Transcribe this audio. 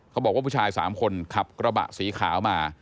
เขาบอกว่าผู้ชาย๓คนขับกระบะสีขาวมา